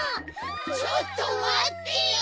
ちょっとまってよ！